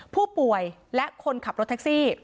ผู้ป่วยและคนขับรถแท็กซี่